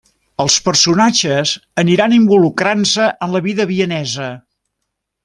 Els personatges aniran involucrant-se en la vida vienesa.